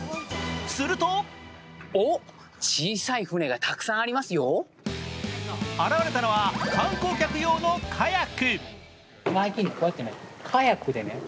すると現れたのは観光客用のカヤック。